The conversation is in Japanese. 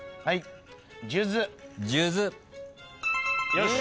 よし。